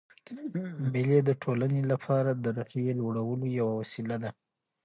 مېلې د ټولنې له پاره د روحیې لوړولو یوه وسیله ده.